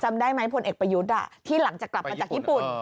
จำได้ไหมพลเอกประยุทธ์ที่หลังจากกลับมาจากญี่ปุ่น